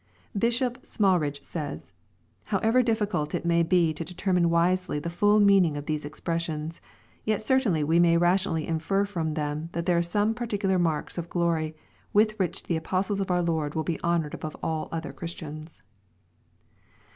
Bishop Sraalridge says, " However diiBficult it may be to deter mine wisely the full meaning of these expressions, yet certainly we may rationally infer from them that there are some particular marks of glory with which the apostles of our Lord will be hon ored above other (;hristians."